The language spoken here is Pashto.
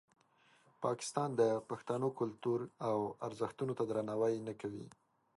پاکستان د پښتنو کلتور او ارزښتونو ته درناوی نه کوي.